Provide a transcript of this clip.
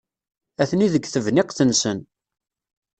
Atni deg tebniqt-nsen.